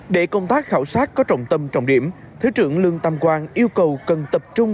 để công tác khảo sát có trọng tâm trọng điểm thứ trưởng lương tam quang yêu cầu cần tập trung